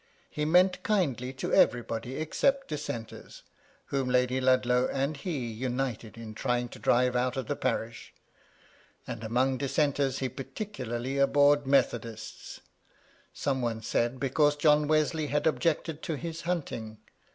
He meant kindly to everybody except dis senters, whom Lady Ludlow and he united in trying to drive out of the parish ; and among dissenters he particularly abhorred Methodists — some one said, because John Wesley had objected to his hunting.